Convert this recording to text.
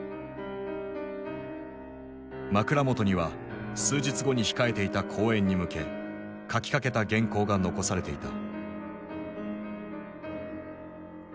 枕元には数日後に控えていた講演に向け書きかけた原稿が残されていた。